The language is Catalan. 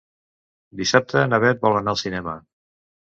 Dissabte na Bet vol anar al cinema.